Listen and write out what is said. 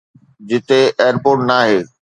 جتي ايئرپورٽ ناهي